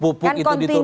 pupuk itu diturunkan